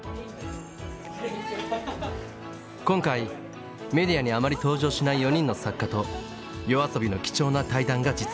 今回メディアにあまり登場しない４人の作家とＹＯＡＳＯＢＩの貴重な対談が実現。